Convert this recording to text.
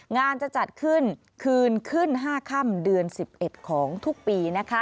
งานจะจัดขึ้นคืนขึ้น๕ค่ำเดือน๑๑ของทุกปี